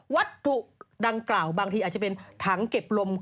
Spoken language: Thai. วัตถุดังกล่าวบางทีอาจจะเป็นถังเก็บลม